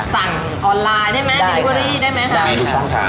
สั่งออนไลน์ได้ไหมลิเวอรี่ได้ไหมคะ